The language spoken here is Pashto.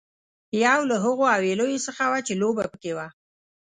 یو له هغو حويليو څخه وه چې لوبه پکې وه.